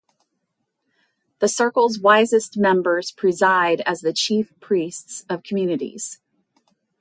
The circle’s wisest members preside as the chief priests of communities